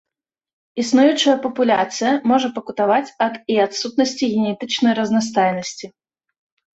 Існуючая папуляцыя можа пакутаваць ад і адсутнасці генетычнай разнастайнасці.